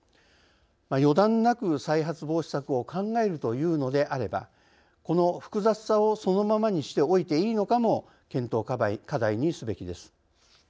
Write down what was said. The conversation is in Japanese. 予断なく再発防止策を考えるというのであれば、この複雑さをそのままにしておいていいのかも検討課題にすべきです。